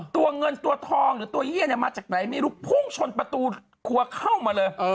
ตัวเงินตัวทองหรือตัวเยี่ยมาจากไหนไม่รู้พุ่งชนประตูครัวเข้ามาเลย